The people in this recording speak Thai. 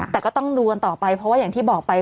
แต่ก็ต้องดูกันต่อไปเพราะว่าอย่างที่บอกไป